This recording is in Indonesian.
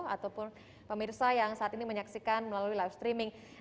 ataupun pemirsa yang saat ini menyaksikan melalui live streaming